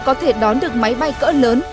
có thể đón được máy bay cỡ lớn